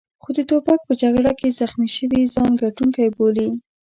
خو د توپک په جګړه کې زخمي شوي ځان ګټونکی بولي.